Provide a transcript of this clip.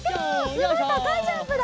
すごいたかいジャンプだ！